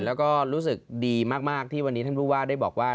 แล้วก็รู้สึกดีมากที่วันนี้ท่านผู้ว่าได้บอกว่า